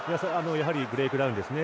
やはりブレイクダウンですね。